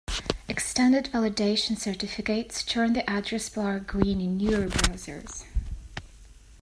Extended validation certificates turn the address bar green in newer browsers.